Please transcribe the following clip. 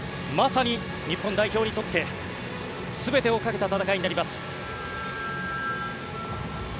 まさに日本代表にとって全てをかけた戦いになります。